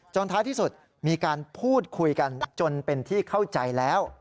ท้ายที่สุดมีการพูดคุยกันจนเป็นที่เข้าใจแล้ว